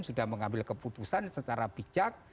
sudah mengambil keputusan secara bijak